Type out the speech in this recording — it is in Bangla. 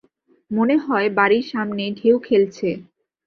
মনে হয়, বাড়ির সামনে ঢেউ খেলছে।